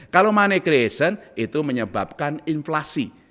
kalau money creation itu menyebabkan inflasi